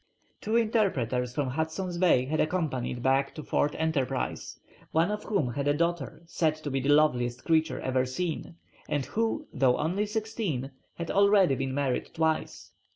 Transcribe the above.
Two interpreters from Hudson's Bay had accompanied Back to Fort Enterprise, one of whom had a daughter said to be the loveliest creature ever seen, and who, though only sixteen, had already been married twice.